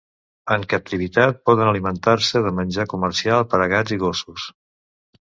En captivitat, poden alimentar-se de menjar comercial per a gats i gossos.